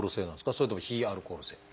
それとも非アルコール性？